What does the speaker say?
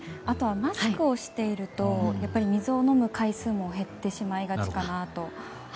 あとはマスクをしていると水を飲む回数も減ってしまいがちかなと。